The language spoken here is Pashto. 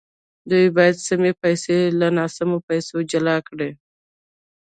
دوی باید سمې پیسې له ناسمو پیسو جلا کړي